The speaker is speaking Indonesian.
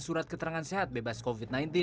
surat keterangan sehat bebas covid sembilan belas